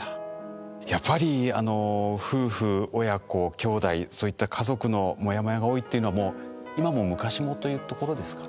やっぱりあの夫婦親子きょうだいそういった家族のモヤモヤが多いっていうのはもう今も昔もというところですかね。